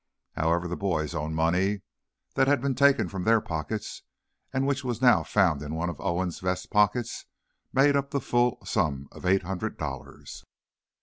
However, the boys' own money, that had been taken from their pockets, and which was now found in one of Owen's vest pockets, made up the full sum of eight hundred dollars.